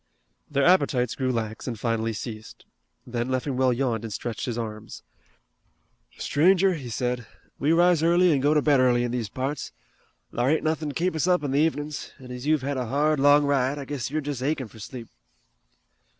Their appetites grew lax and finally ceased. Then Leffingwell yawned and stretched his arms. "Stranger," he said, "we rise early an' go to bed early in these parts. Thar ain't nothin' to keep us up in the evenin's, an' as you've had a hard, long ride I guess you're just achin' fur sleep."